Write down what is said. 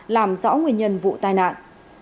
làm rõ nguyên nhân vụ tai nạn